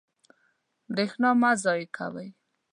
برېښنا مه ضایع کوئ.